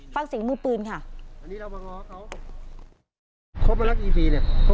ฟังสิงห์มือปืนค่ะอันนี้เรามางอเขา